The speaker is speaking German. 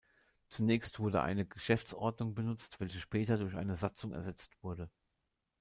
Zunächst wurde eine Geschäftsordnung benutzt, welche später durch eine Satzung ersetzt wurde.